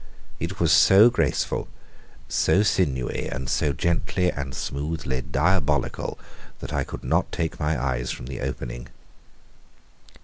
It was so graceful, so sinewy, and so gently and smoothly diabolical, that I could not take my eyes from the opening.